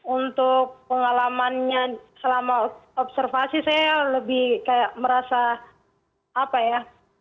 untuk pengalamannya selama observasi saya lebih kayak merasa apa ya